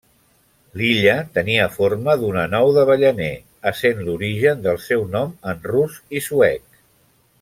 L'illa tenia forma d'una nou d'avellaner, essent l'origen del seu nom en rus i suec.